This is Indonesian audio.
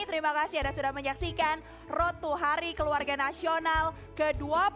terima kasih anda sudah menyaksikan road to hari keluarga nasional ke dua puluh dua